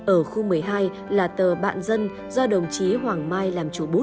ở khu một mươi hai là tờ bạn dân do đồng chí hoàng mai làm chủ bút